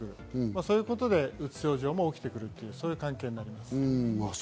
そういうことでうつ症状も起きてくる、そういう関係です。